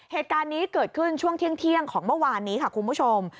เหตุการณ์นี้เกิดขึ้นช่วงเที่ยงของเมื่อวานนี้ค่ะคุณผู้ชม